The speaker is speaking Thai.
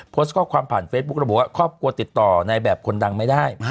โพสต์ข้อความผ่านเฟซบุ๊คระบุว่าครอบครัวติดต่อในแบบคนดังไม่ได้